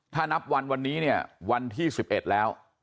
ถ้านับวันวันนี้เนี่ยวันที่๑๑แล้ว